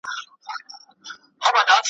دې کوترو ته ورخلاصه لو فضا وه `